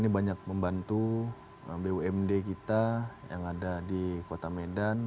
ini banyak membantu bumd kita yang ada di kota medan